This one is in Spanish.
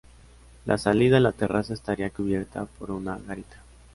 La salida a la terraza estaría cubierta por una garita.